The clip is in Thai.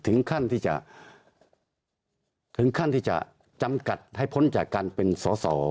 ถึงขั้นที่จะจำกัดให้พ้นจากการเป็นสอ